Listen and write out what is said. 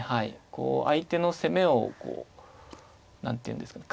こう相手の攻めを何ていうんですかね